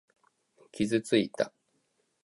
傷ついた。